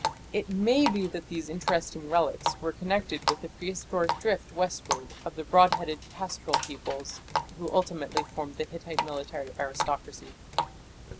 It may be that these interesting relics were connected with the prehistoric drift westward of the broad headed pastoral peoples who ultimately formed the Hittite military aristocracy.